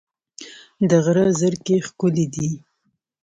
د غره زرکې ښکلې دي